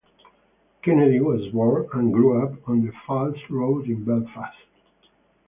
Kennedy was born and grew up on the Falls Road in Belfast.